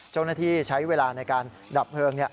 เจ้าหน้าที่ใช้เวลาในการดับเพลิง